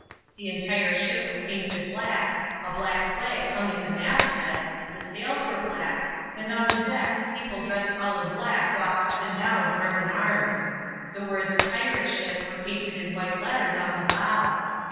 The entire ship was painted black, a black flag hung at the masthead, the sails were black, and on the deck people dressed all in black walked up and down arm in arm. The words "Pirate Ship" were painted in white letters on the bow.